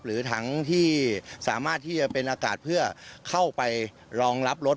หรือถังที่สามารถที่จะเป็นอากาศเพื่อเข้าไปรองรับรถ